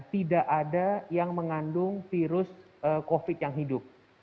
tidak ada yang mengandung virus covid yang hidup